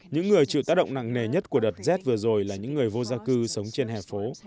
những người chịu tác động nặng nề nhất của đợt rét vừa rồi là những người vô gia cư sống trên hè phố